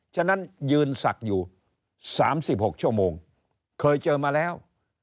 ฉะนั้นยืนสักอยู่สามสิบหกชั่วโมงเคยเจอมาแล้ว